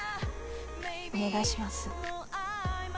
お願いします。